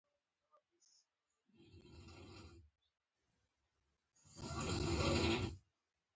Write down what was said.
بیا وروسته یې له اوسپنې څخه ګټه واخیسته.